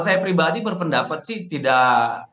saya pribadi berpendapat sih tidak